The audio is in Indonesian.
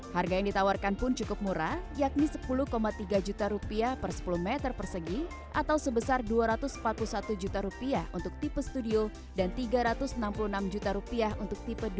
harga yang ditawarkan pun cukup murah yakni sepuluh tiga juta rupiah per sepuluh meter persegi atau sebesar dua ratus empat puluh satu juta rupiah untuk tipe studio dan tiga ratus enam puluh enam juta rupiah untuk tipe dua ribu dua